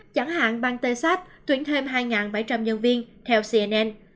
chẳng hạn bang texas tuyển thêm hai bảy trăm linh nhân viên theo cnn